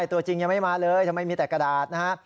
ตัวจริงยังไม่มาเลยทำไมมีแต่กระดาษนะฮะ